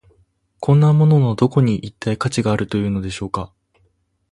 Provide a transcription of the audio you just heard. こんなもののどこに、一体価値があるというのでしょうか。